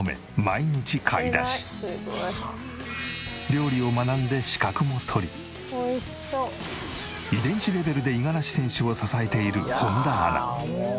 料理を学んで資格も取り遺伝子レベルで五十嵐選手を支えている本田アナ。